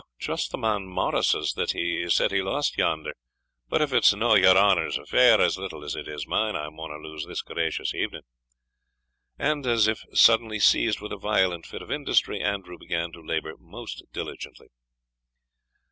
"Ou, just the man Morris's, that he said he lost yonder: but if it's no your honour's affair, as little is it mine; and I mauna lose this gracious evening." And, as if suddenly seized with a violent fit of industry, Andrew began to labour most diligently.